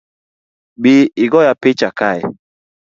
Bi igoya picha kae